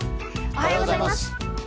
おはようございます。